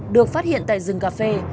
được phát hiện tại rừng cà phê